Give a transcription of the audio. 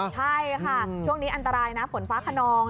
ใช่ค่ะช่วงนี้อันตรายนะฝนฟ้าขนอง